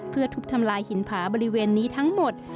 เพื่อทุบทำลายหินผาบริเวณนี้ทั้งหมด